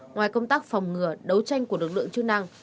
ngoài công tác phòng ngừa đấu tranh của lực lượng chức năng